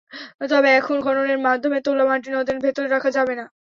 তবে এখন খননের মাধ্যমে তোলা মাটি নদের ভেতরে রাখা যাবে না।